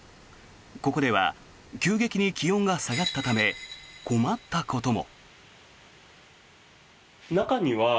ここでは急激に気温が下がったため困ったことも。